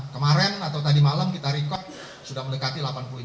kemarin atau tadi malam kita record sudah mendekati delapan puluh lima